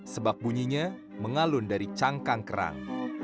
sebab bunyinya mengalun dari cangkang kerang